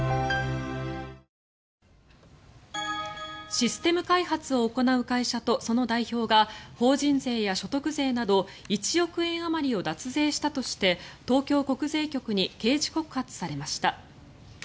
システム開発を行う会社とその代表が法人税や所得税など１億円あまりを脱税したとして東京国税局に刑事告発されました。